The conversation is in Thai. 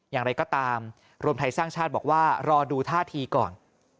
อย่างไรก็ตามรวมไทยสร้างชาติบอกว่ารอดูท่าทีก่อน